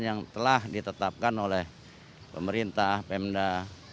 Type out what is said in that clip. yang telah ditetapkan oleh pemerintah pemda